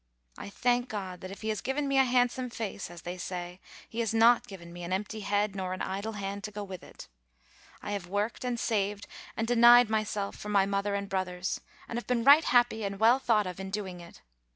I thank God, that if he has given me a handsome face, as they say, he has not given me an empty head nor an idle hand to go with it. I have worked, and saved, and denied myself for my mother and brothers, and have been right happy and well thought of in doing it.